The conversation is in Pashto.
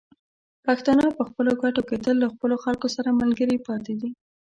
پښتانه په خپلو ګټو کې تل له خپلو خلکو سره ملګري پاتې دي.